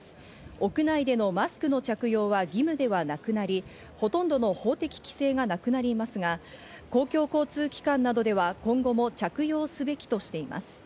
屋内でのマスクの着用は義務ではなくなり、ほとんどの法的規制がなくなりますが、公共交通機関などでは今後も着用すべきとしています。